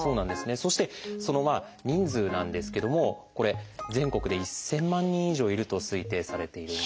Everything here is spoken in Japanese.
そしてその人数なんですけどもこれ全国で１，０００万人以上いると推定されているんです。